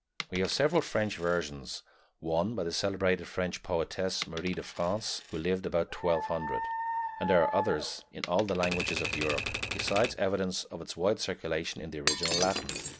We have several French versions, one by the celebrated French poetess Marie de France, who lived about 1200; and there are others in all the languages of Europe, besides evidence of its wide circulation in the original Latin.